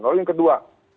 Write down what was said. lalu yang kedua